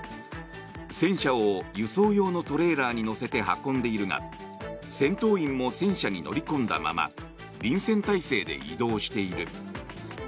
戦車を輸送用のトレーラーに載せて運んでいるが戦闘員も戦車に乗り込んだまま臨戦態勢で移動している。